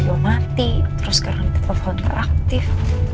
tapi dia belum mati terus sekarang dia telepon tak aktif